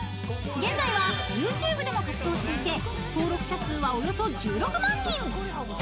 ［現在はＹｏｕＴｕｂｅでも活動していて登録者数はおよそ１６万人］